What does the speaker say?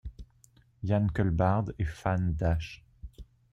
Ian Culbard est fan d'H.